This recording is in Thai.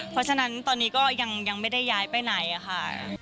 เพราะฉะนั้นตอนนี้ก็ยังไม่ได้ย้ายไปไหนค่ะ